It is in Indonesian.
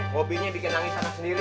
mobi nya bikin nangis anak sendiri